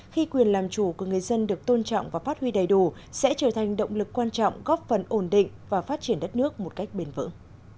khi quyền làm chủ của người dân được tôn trọng và phát huy đầy đủ sẽ trở thành động lực quan trọng góp phần ổn định và phát triển đất nước một cách bền vững